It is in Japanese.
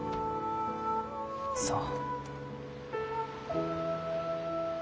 そう。